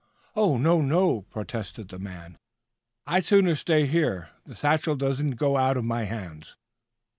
"Oh, no, no!" protested the man. "I'd sooner stay here. The satchel doesn't go out of my hands."